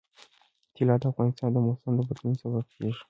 طلا د افغانستان د موسم د بدلون سبب کېږي.